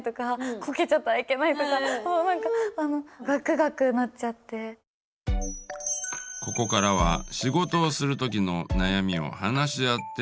ここからは仕事をする時の悩みを話し合ってくれました。